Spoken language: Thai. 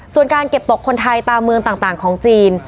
ส่วนการเก็บตกคนไทยตามเมืองต่างของจีน